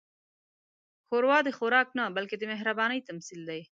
ښوروا د خوراک نه، بلکې د مهربانۍ تمثیل دی.